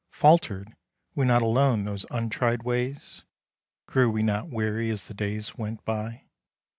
Faltered we not along those untried ways? Grew we not weary as the days went by?